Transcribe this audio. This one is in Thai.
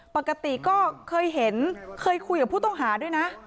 ปกติก็เคยเห็นเคยคุยกับผู้ต้องหาด้วยนะ